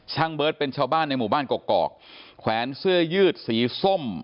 เบิร์ตเป็นชาวบ้านในหมู่บ้านกอกแขวนเสื้อยืดสีส้ม